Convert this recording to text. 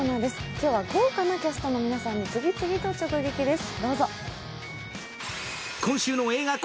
今日は豪華なキャストの皆さんに次々と直撃です。